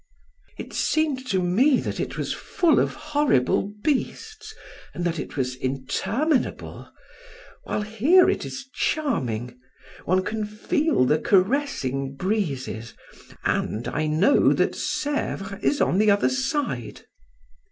It seemed to me that it was full of horrible beasts and that it was interminable, while here it is charming. One can feel the caressing breezes, and I know that Sevres is on the other side."